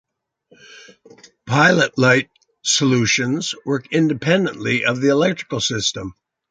Pilot light solutions work independently of the electrical system.